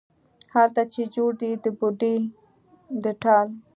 هلته چې جوړ دی د بوډۍ د ټال،